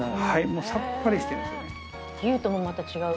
もうさっぱりしてるんですよね。